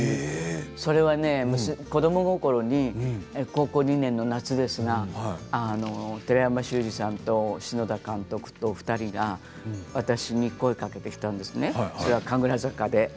それはね、子ども心に高校２年の夏ですが寺山修司さんと篠田監督の２人が私に声をかけてきたんですね、神楽坂で。